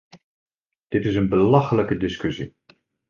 Dit is een belachelijke discussie.